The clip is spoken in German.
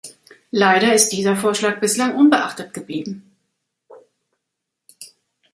Leider ist dieser Vorschlag bislang unbeachtet geblieben.